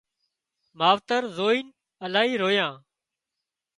ماوتر زوئينَ الاهي رويان